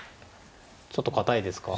ちょっと堅いですか。